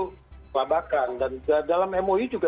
kelabakan dan dalam mou juga